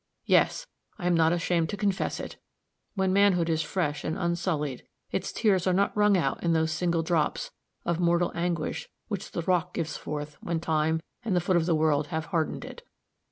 Yes! I am not ashamed to confess it! When manhood is fresh and unsullied, its tears are not wrung out in those single drops of mortal anguish which the rock gives forth when time and the foot of the world have hardened it.